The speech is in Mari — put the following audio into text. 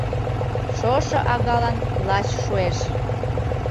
Шошо агалан лач шуэш.